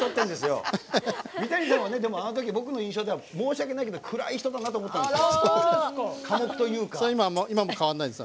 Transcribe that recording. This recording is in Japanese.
三谷さんもあのとき僕の印象では申し訳ないけど暗い人だなと思ったんです。